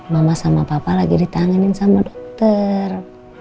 mama sama papa lagi ditanganin sama dokter